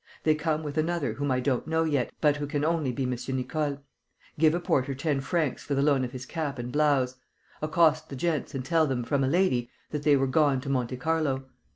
They come with another whom I don't know yet, but who can only be M. Nicole. Give a porter ten francs for the loan of his cap and blouse. Accost the gents and tell them, from a lady, 'that they were gone to Monte Carlo.